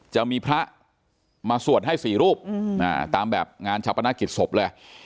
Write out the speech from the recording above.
จะมีพระสอบมาสวดให้ศรีรูปตามอย่างงานฉปนากิจศพเลย